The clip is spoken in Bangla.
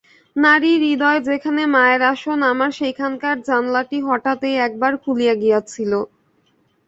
নারীর হৃদয়ে যেখানে মায়ের আসন আমার সেইখানকার জানলাটি হঠাৎ এই একবার খুলে গিয়েছিল।